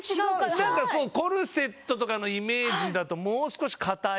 何かそうコルセットとかのイメージだともう少し硬い。